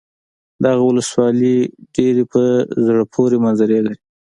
دغه ولسوالي ډېرې په زړه پورې منظرې لري.